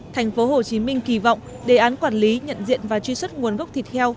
thành phố hồ chí minh kỳ vọng đề án quản lý nhận diện và truy xuất nguồn gốc thịt heo